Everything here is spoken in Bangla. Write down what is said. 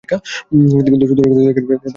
কিন্তু, শুধু হৃদয় তো নয়, শাস্ত্রও আছে।